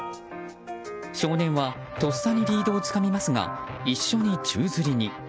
少年はとっさにリードをつかみますが一緒に宙づりに。